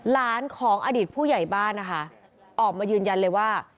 หลานของอดีตผู้ใหญ่บ้านนะคะออกมายืนยันเลยว่า